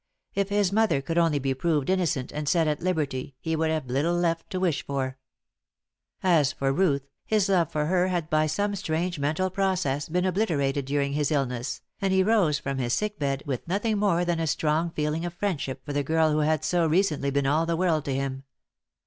If his mother could only be proved innocent and set at liberty he would have little left to wish for. As for Ruth, his love for her had by some strange mental process been obliterated during his illness, and he rose from his sick bed with nothing more than a strong feeling of friendship for the girl who had so recently been all the world to him.